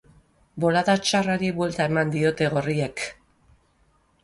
Bolada txarrari buelta eman diote gorriek.